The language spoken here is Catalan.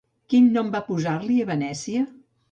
Quin nom van posar-li a Venècia?